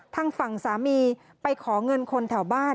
ทางฝั่งสามีไปขอเงินคนแถวบ้าน